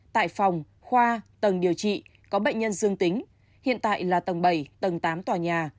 tại phòng khoa tầng điều trị có bệnh nhân dương tính hiện tại là tầng bảy tầng tám tòa nhà